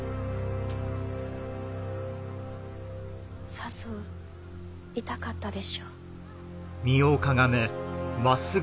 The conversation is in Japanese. さぞ痛かったでしょう。